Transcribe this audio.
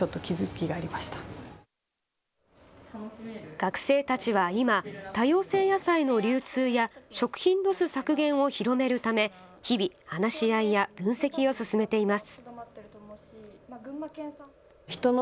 学生たちは今、多様性野菜の流通や食品ロス削減を広めるため日々、話し合いや分析を進めています。